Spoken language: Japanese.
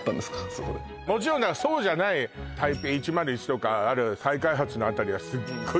そこでもちろんそうじゃない台北１０１とかある再開発の辺りはすっごい